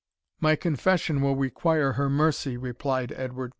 "My confession will require her mercy," replied Edward.